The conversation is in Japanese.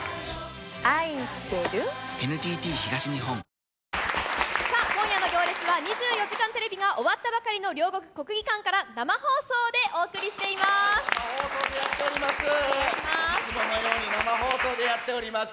「カップヌードル」さあ、今夜の行列は、２４時間テレビが終わったばかりの両国・国技館から、生放送でお送りし生放送でやっております。